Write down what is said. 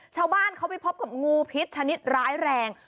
ชาวบ้านเขาไปพบกับงูพิษชนิดร้ายแรง